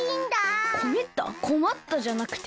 こまったじゃなくて？